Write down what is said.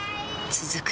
続く